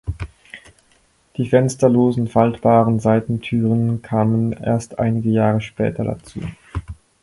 Die fensterlosen faltbaren Seitentüren kamen erst einige Jahre später dazu.